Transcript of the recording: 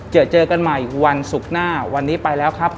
เจอเจอกันใหม่วันศุกร์หน้าวันนี้ไปแล้วครับ